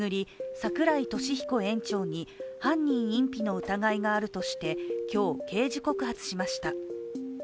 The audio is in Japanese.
櫻井利彦園長に犯人隠避の疑いがあるとして今日、刑事告発しました。